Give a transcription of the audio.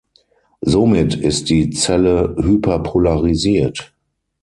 Somit ist die Zelle hyperpolarisiert.